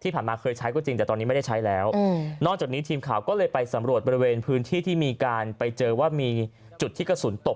เคยใช้ก็จริงแต่ตอนนี้ไม่ได้ใช้แล้วนอกจากนี้ทีมข่าวก็เลยไปสำรวจบริเวณพื้นที่ที่มีการไปเจอว่ามีจุดที่กระสุนตก